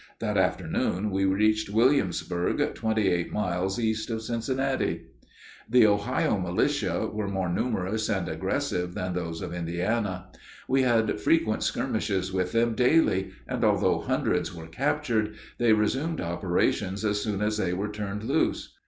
That afternoon we reached Williamsburg, twenty eight miles east of Cincinnati. The Ohio militia were more numerous and aggressive than those of Indiana. We had frequent skirmishes with them daily, and although hundreds were captured, they resumed operations as soon as they were turned loose.